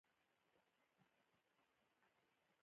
موږ هم ورته اجازه ورکړه.